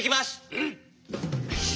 うん。